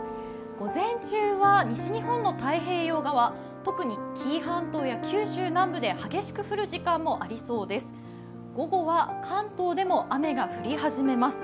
午前中は西日本の太平洋側特に紀伊半島や九州南部で激しく降る時間もありそうです。